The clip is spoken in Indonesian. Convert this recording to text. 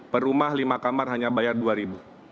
perumah lima kamar hanya bayar rp dua